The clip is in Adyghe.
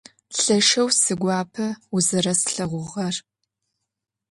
Lheşşeu siguape vuzereslheğuğer.